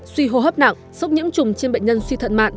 suy hô hấp nặng sốc nhiễm trùng trên bệnh nhân suy thận mạng